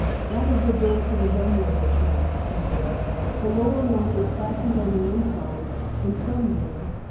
"That is the door to the dumb waiter shaft," he said. "The lower one is fastened on the inside, in some manner.